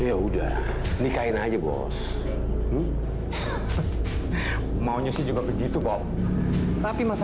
emangnya ini rumahnya siapa mas